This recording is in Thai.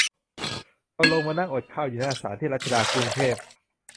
พอลงมานั่งอดข้าวอยู่หน้าศาล ที่รัชดา กรุงเทพ